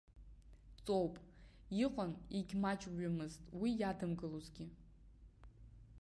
Ҵоуп, иҟан, егьмаҷҩымызт уи иадымгылозгьы.